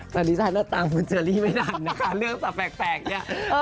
ตอนนี้ฉันน่าตามเจอลี่ไม่ดันนะคะเรื่องสระแปลกเนี่ย